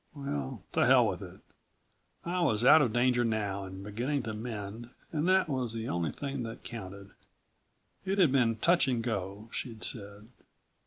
Well, to hell with it. I was out of danger now and beginning to mend and that was the only thing that counted. It had been touch and go, she'd said.